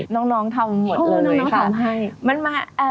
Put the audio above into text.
น้องทำหมดเลยค่ะ